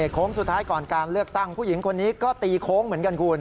โค้งสุดท้ายก่อนการเลือกตั้งผู้หญิงคนนี้ก็ตีโค้งเหมือนกันคุณ